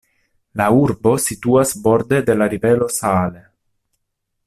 La urbo situas borde de la rivero Saale.